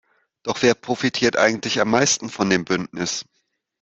Doch wer profitiert eigentlich am meisten von dem Bündnis?